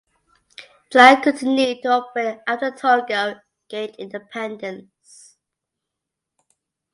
The line continued to operate after Togo gained independence.